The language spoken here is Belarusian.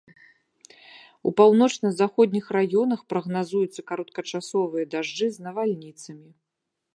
У паўночна-заходніх раёнах прагназуюцца кароткачасовыя дажджы з навальніцамі.